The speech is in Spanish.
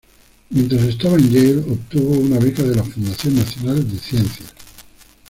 Mientras estaba en Yale, obtuvo una beca de la Fundación Nacional de Ciencias.